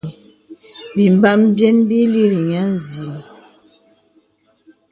Bīmbām biyə̀n bì ï līri niə nzi.